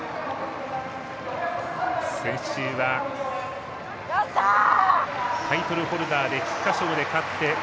先週はタイトルホルダー菊花賞で勝って。